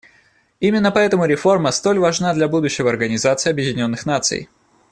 Именно поэтому реформа столь важна для будущего Организации Объединенных Наций.